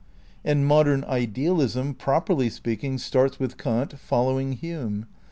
And modem idealism, properly speaking, starts with Kant, following Hume.